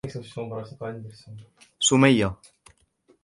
سمية